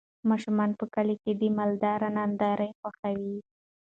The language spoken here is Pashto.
ماشومان په کلي کې د مالدارۍ ننداره خوښوي.